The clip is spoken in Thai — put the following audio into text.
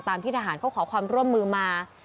ที่ทหารเขาขอความร่วมมือมา